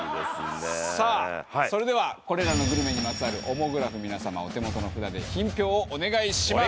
さあそれではこれらのグルメにまつわるオモグラフ皆様お手元の札で品評をお願いします。